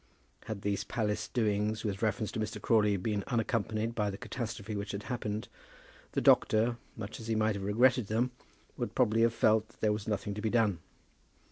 Had these palace doings with reference to Mr. Crawley been unaccompanied by the catastrophe which had happened, the doctor, much as he might have regretted them, would probably have felt that there was nothing to be done.